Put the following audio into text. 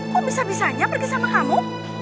kok bisa bisanya pergi sama kamu